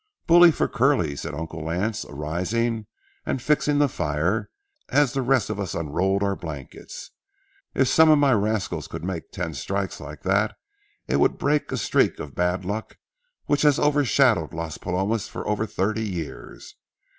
"Bully for Curly!" said Uncle Lance, arising and fixing the fire, as the rest of us unrolled our blankets. "If some of my rascals could make a ten strike like that it would break a streak of bad luck which has overshadowed Las Palomas for over thirty years.